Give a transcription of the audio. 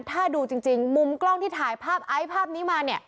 ถ้าดูจริงมุมกล้องที่ถ่ายภาพไอซ์ภาพนี้มาเนี่ย